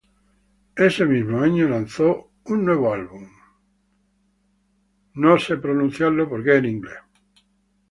Ese mismo año lanzó un nuevo álbum ""Country Mouse City House"".